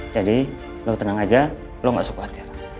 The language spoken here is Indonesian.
jadi lo tenang aja lo gak usah khawatir